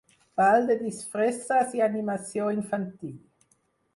Ball de disfresses i animació infantil.